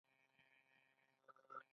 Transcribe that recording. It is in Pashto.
کرکټ د افغانستان تر ټولو مشهوره لوبه ده.